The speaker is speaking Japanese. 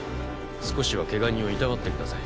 少しは怪我人をいたわってください。